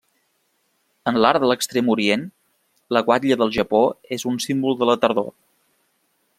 En l'art de l'extrem orient la guatlla del Japó és un símbol de la tardor.